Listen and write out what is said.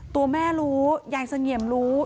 ตัวแม่รู้ยายเสงี่ยมรู้